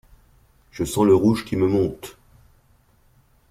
Je sens le rouge qui me monte.